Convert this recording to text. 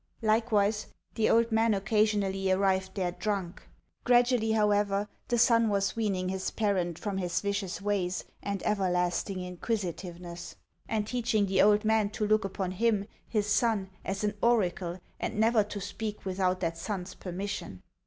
Likewise, the old man occasionally arrived there drunk. Gradually, however, the son was weaning his parent from his vicious ways and everlasting inquisitiveness, and teaching the old man to look upon him, his son, as an oracle, and never to speak without that son's permission.